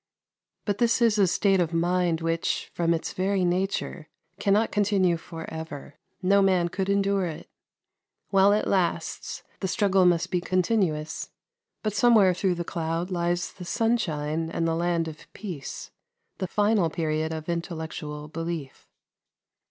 But this is a state of mind which, from its very nature, cannot continue for ever: no man could endure it. While it lasts the struggle must be continuous, but somewhere through the cloud lies the sunshine and the land of peace the final period of intellectual belief.